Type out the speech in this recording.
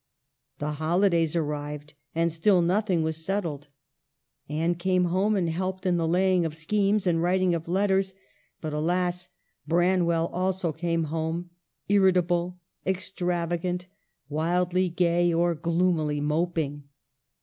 The holidays arrived and still nothing was settled. Anne came home and helped in the laying of schemes and writing of letters — but, alas, Branwell also came home, irritable, extrav agant, wildly gay, or gloomily moping.